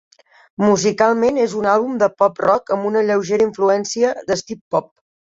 Musicalment, és un àlbum de pop rock amb una lleugera influència del "synthpop".